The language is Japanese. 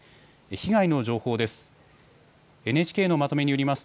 被害の情報です。